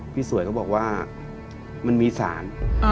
พี่สวยเขาบอกว่ามันมีสาร